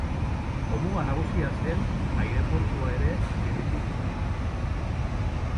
Jomuga nagusia zen aireportua ere birrindu zuten.